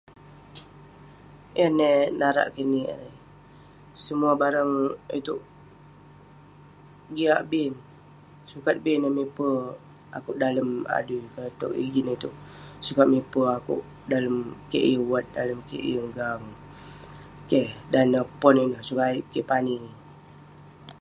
Yan neh eh narak kik nik erei. Semuah barang itouk jiak bi neh. Sukat bi neh miper akouk dalem adui konak tog ijin itouk. Sukat miper akouk dalem kek yeng wat, dalem kek yeng [unintelligible] Keh. Dan neh pon ineh, sukat ayuk kek pani.